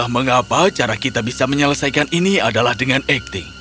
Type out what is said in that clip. mengapa cara kita bisa menyelesaikan ini adalah dengan acting